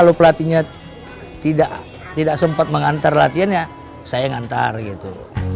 kalau pelatihnya tidak sempat mengantar latihan ya saya ngantar gitu